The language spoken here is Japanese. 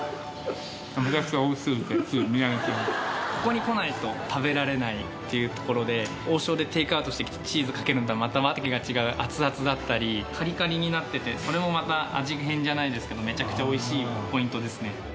めちゃくちゃおいしすぎてつい見上げちゃいましたっていうところで王将でテイクアウトしてチーズかけるのとはまたわけが違う熱々だったりカリカリになっててそれもまた味変じゃないですけどめちゃくちゃおいしいポイントですね